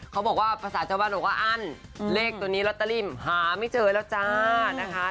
เขาบอกว่าภาษาชาวบ้านบอกว่าอั้นเลขตัวนี้ลอตเตอรี่มหาไม่เจอแล้วจ้านะคะ